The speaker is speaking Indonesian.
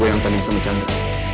gue yang tanding sama chandra